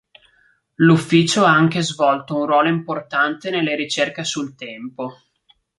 L'ufficio ha anche svolto un ruolo importante nelle ricerche sul tempo.